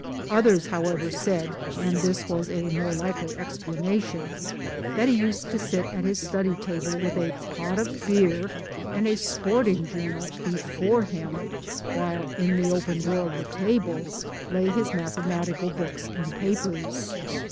Others however said and this was a more likely explana 3JQ PERSONALITIES ,211 lion that he used to sit at his study table with a pot of beer and a sporting journal before him, while in the open drawer of the table lay his mathematical books and papers.